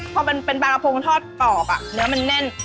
พอมันเป็นปลากระพงทอดกรอบเนื้อมันแน่น